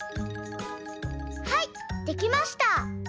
はいできました。